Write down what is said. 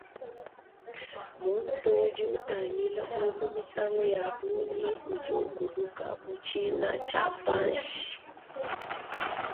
Muntu udi utangila mulu misangu ya bungi udi ukuluku mu tshina tshia panshi.